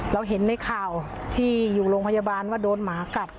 เราเห็นในข่าวที่อยู่โรงพยาบาลว่าโดนหมากัด